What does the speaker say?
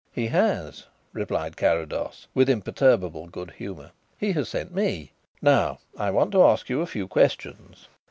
"He has," replied Carrados, with imperturbable good humour; "he has sent me. Now, I want to ask you a few questions."